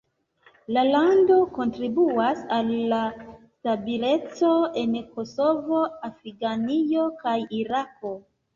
La lando kontribuas al la stabileco en Kosovo, Afganio kaj Irako.